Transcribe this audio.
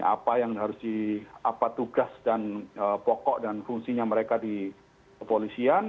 apa yang harus di apa tugas dan pokok dan fungsinya mereka di kepolisian